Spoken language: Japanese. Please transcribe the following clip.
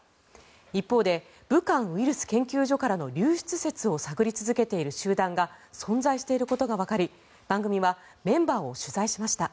一方で武漢ウイルス研究所からの流出説を探り続けている集団が存在していることがわかり番組はメンバーを取材しました。